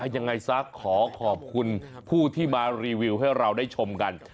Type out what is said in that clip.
ยังไงซะขอขอบคุณผู้ที่มารีวิวให้เราได้ชมกัน